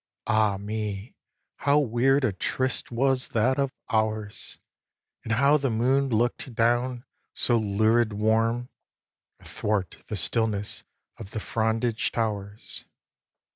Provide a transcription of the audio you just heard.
Ah me! how weird a tryste was that of ours! And how the moon look'd down, so lurid warm, Athwart the stillness of the frondage towers!